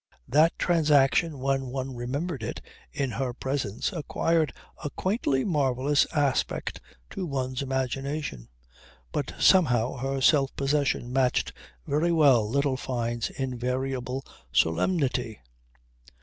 That transaction when one remembered it in her presence acquired a quaintly marvellous aspect to one's imagination. But somehow her self possession matched very well little Fyne's invariable solemnity.